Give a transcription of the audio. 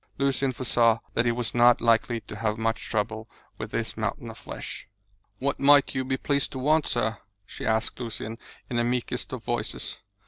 Lucian foresaw that he was not likely to have much trouble with this mountain of flesh. "What might you be pleased to want, sir?" she asked Lucian, in the meekest of voices.